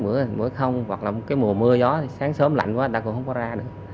bữa không hoặc là mùa mưa gió thì sáng sớm lạnh quá ta cũng không có ra nữa